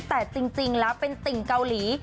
แต่จริงแล้วเป็นติ่งเกาหลี